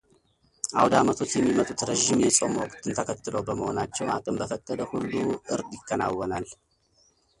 ዓውደ ዓመቶች የሚመጡት ረዥም የጾም ወቅትን ተከትለው በመሆናቸው አቅም በፈቀደ ሁሉ እርድ ይከናወናል።